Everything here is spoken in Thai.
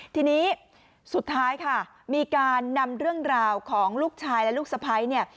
ทีนี้สุดท้ายค่ะมีการนำเรื่องราวของลูกชายและลูกสะพ้ายเนี่ย